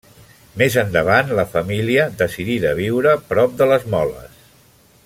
Més endavant la família decidí de viure prop de les moles.